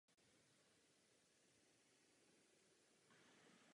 Kolem něho prochází hranice lesního pásu a pastviny.